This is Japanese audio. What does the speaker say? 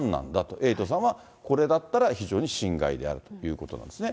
エイトさんはこれだったら非常に心外であるということなんですね。